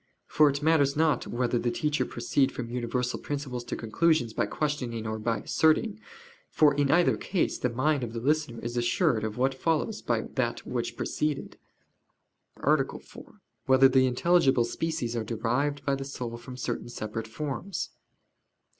For it matters not whether the teacher proceed from universal principles to conclusions by questioning or by asserting; for in either case the mind of the listener is assured of what follows by that which preceded. _______________________ FOURTH ARTICLE [I, Q. 84, Art. 4] Whether the Intelligible Species Are Derived by the Soul from Certain Separate Forms?